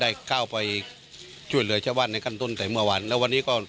ได้เข้าไปช่วยเหลือชาวบ้านในขั้นต้นแต่เมื่อวานแล้ววันนี้ก็